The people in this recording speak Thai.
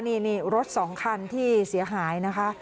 นี่รถสองคันที่เสียหายนะคะ